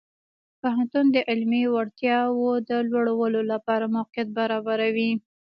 پوهنتون د علمي وړتیاو د لوړولو لپاره موقعیت برابروي.